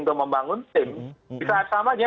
untuk membangun tim bisa